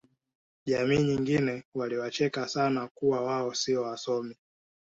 jamii nyingine waliwacheka sana kuwa wao sio wasomi